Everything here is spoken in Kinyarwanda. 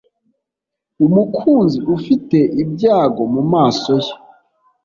Umukunzi ufite ibyago mumaso ye